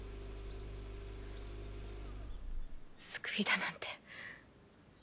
救いだなんて。